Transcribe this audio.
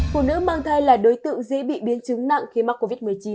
phụ nữ mang thai là đối tượng dễ bị biến chứng nặng khi mắc covid một mươi chín